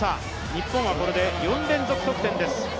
日本は、これで４連続得点です。